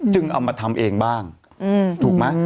เอามาทำเองบ้างถูกไหม